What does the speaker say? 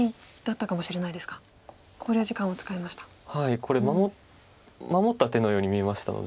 これ守った手のように見えましたので。